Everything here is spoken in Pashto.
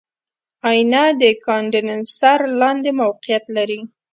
آئینه د کاندنسر لاندې موقعیت لري.